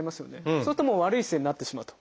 そうするともう悪い姿勢になってしまうと。